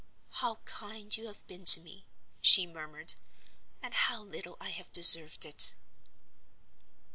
"How kind you have been to me!" she murmured. "And how little I have deserved it!"